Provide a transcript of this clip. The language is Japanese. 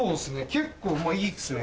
結構いいっすね。